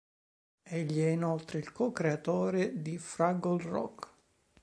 Egli è inoltre il co-creatore di "Fraggle Rock".